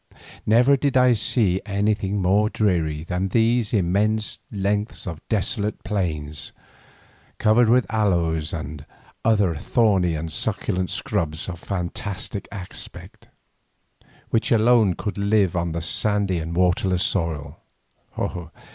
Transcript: Never did I see anything more dreary than these immense lengths of desolate plains covered with aloes and other thorny and succulent shrubs of fantastic aspect, which alone could live on the sandy and waterless soil.